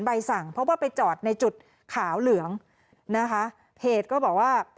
ใบสั่งเพราะว่าไปจอดในจุดขาวเหลืองนะคะเพจก็บอกว่า